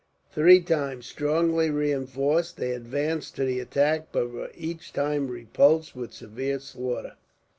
Three times, strongly reinforced, they advanced to the attack; but were each time repulsed, with severe slaughter.